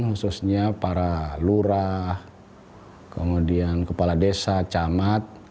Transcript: khususnya para lurah kemudian kepala desa camat